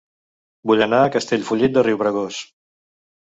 Vull anar a Castellfollit de Riubregós